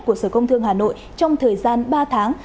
của sở công thương hà nội trong thời gian ba tháng